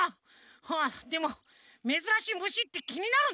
はあでもめずらしいむしってきになるなあもう！